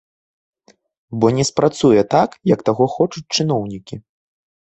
Бо не спрацуе так, як таго хочуць чыноўнікі.